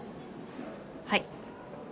はい。